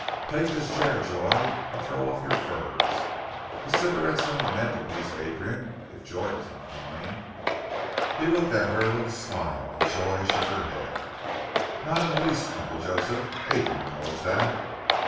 Take this chair, Joy, and throw off your furs! The cigarettes are on the mantelpiece, Adrian, if Joy does not mind." He looked at her with a smile and Joy shook her head. "Not in the least, Uncle Joseph! Adrian knows that!"